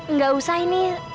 nggak usah ini